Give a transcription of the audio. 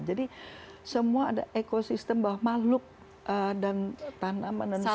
jadi semua ada ekosistem bahwa makhluk dan tanaman dan sebagainya